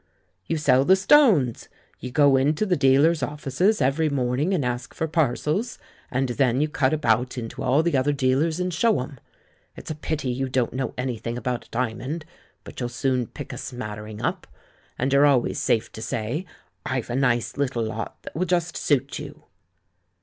You sell the stones! You go into the dealers' offices every morning and ask for parcels. THE LAURELS AND THE LADY 85 and then you cut about into all the other dealers* and show 'em. It's a pity you don't know any« thing about a diamond, but you'll soon pick a smattering up. And you're always safe to say 'I've a nice little lot that will just suit you.'